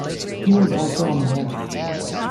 He was also a mohel.